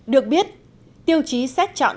được biết tiêu chí xét chọn